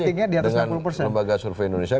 dengan lembaga survei indonesia